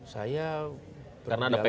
saya berdialog dengan